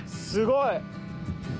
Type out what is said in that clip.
すごい。